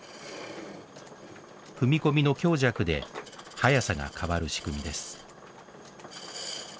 踏み込みの強弱で速さが変わる仕組みです